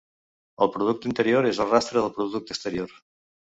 El producte interior és el rastre del producte exterior.